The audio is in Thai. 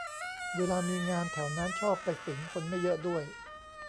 เวลามีงานแถวนั้นชอบไปสิง คนไม่เยอะด้วย